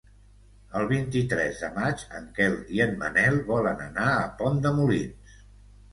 El vint-i-tres de maig en Quel i en Manel volen anar a Pont de Molins.